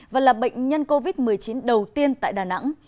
và là bệnh nhân covid một mươi chín đầu tiên tại đà nẵng